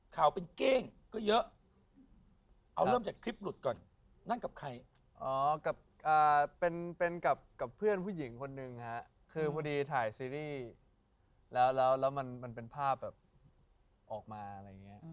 แล้วแล้วแล้วมันมันเป็นภาพแบบหรือออกมาอะไรอย่างเงี้ย